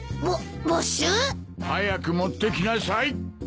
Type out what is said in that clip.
ぼっ没収！？早く持ってきなさい。